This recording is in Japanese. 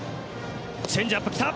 チェンジアップ来た。